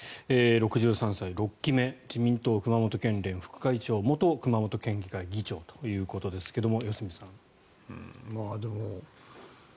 ６３歳、６期目自民党熊本県連副会長元熊本県議会議長ということですが良純さん。